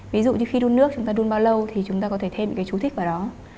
ví dụ như khi đun nước chúng ta đun bao lâu thì chúng ta có thể thêm những cái chú thích vào đó